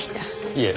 いえ。